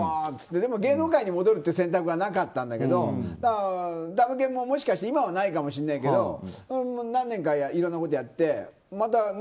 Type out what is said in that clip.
でも、芸能界に戻るっていう選択はなかったんだけどたむけんももしかして今はないかもしれないけど何年かいろんなことやってまたね。